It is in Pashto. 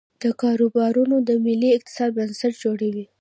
دا کاروبارونه د ملي اقتصاد بنسټ جوړوي.